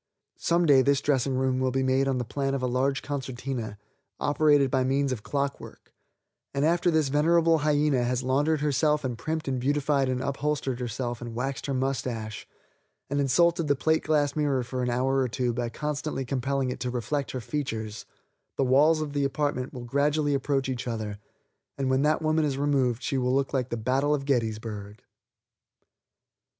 Some day this dressing room will be made on the plan of a large concertina, operated by means of clockwork, and after this venerable hyena has laundered herself and primped and beautified and upholstered herself and waxed her mustache, and insulted the plate glass mirror for an hour or two by constantly compelling it to reflect her features, the walls of the apartment will gradually approach each other, and when that woman is removed she will look like the battle of Gettysburg.